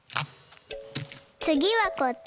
つぎはこっち。